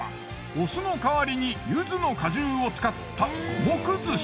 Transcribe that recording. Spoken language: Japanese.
お酢の代わりにゆずの果汁を使った五目寿司。